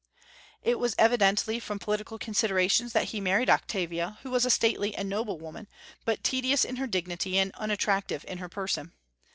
It was evidently from political considerations that he married Octavia, who was a stately and noble woman, but tedious in her dignity, and unattractive in her person.